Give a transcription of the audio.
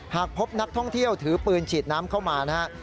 หากพบนักท่องเที่ยวถือปืนฉีดน้ำเข้ามานะครับ